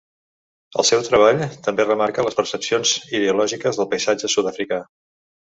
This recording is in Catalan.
El seu treball també remarca les percepcions ideològiques del paisatge sud-africà.